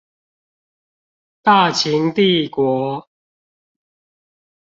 大秦帝國